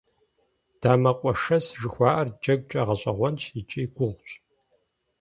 Дамэкъуэшэс жыхуаӏэр джэгукӀэ гъэщӀэгъуэнщ икӀи гугъущ.